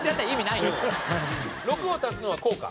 ６を足すのはこうか。